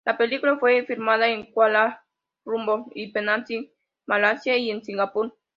La película fue filmada en Kuala Lumpur y Penang, Malasia y en Singapur.